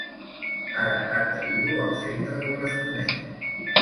Ara et derivo al centre corresponent.